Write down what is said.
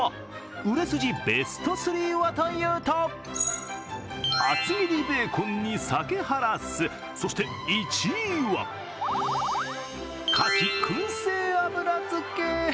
売れ筋ベスト３はというと厚切りベーコンに鮭ハラス、そして１位はかき燻製油漬け。